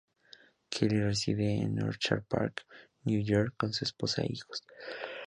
Kelly reside en Orchard Park, New York, con su esposa e hijos.